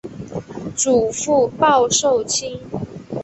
祖父鲍受卿。